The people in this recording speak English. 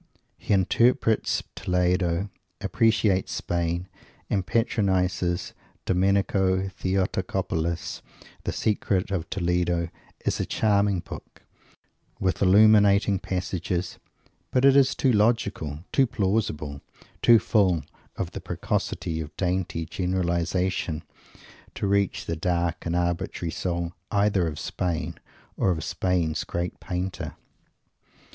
He interprets Toledo, appreciates Spain, and patronizes Domenico Theotocopoulos. The Secret of Toledo is a charming book, with illuminating passages, but it is too logical, too plausible, too full of the preciosity of dainty generalization, to reach the dark and arbitrary soul, either of Spain or of Spain's great painter.